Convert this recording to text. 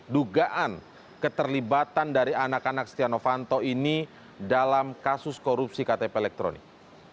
dugaan keterlibatan dari anak anak stiano fanto ini dalam kasus korupsi ktp elektronik